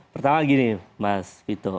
pertama gini mas